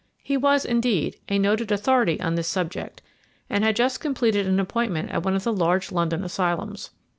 He was, indeed, a noted authority on this subject, and had just completed an appointment at one of the large London asylums.